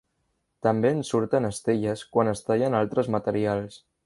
També en surten estelles quan es tallen altres materials.